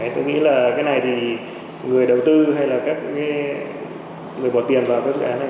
tôi nghĩ là cái này thì người đầu tư hay là các người bỏ tiền vào các dự án này